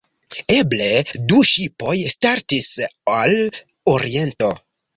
Eble du ŝipoj startis al Oriento.